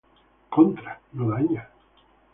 Contra: no daña.